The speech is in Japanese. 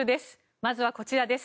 まずはこちらです。